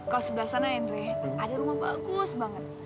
kalau sebelah sana andre ada rumah bagus banget